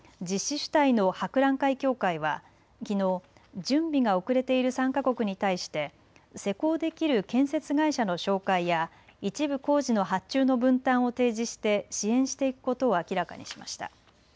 主体の博覧会協会はきのう準備が遅れている参加国に対して施工できる建設会社の紹介や一部工事の発注の分担を提示して支援していくことを明らかにしました。